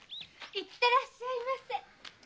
行ってらっしゃいませ。